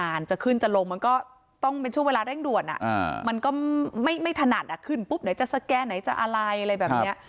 มันจะขึ้นจะลงมันก็ต้องเป็นช่วงเวลาเร่งด่วนมันก็ไม่ถนัดขึ้นปุ๊บไหนจะสแกนไหนจะอะไรอะไรแบบนี้